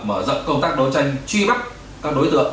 mở rộng công tác đấu tranh truy bắt các đối tượng